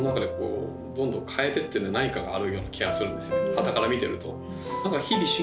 はたから見てると。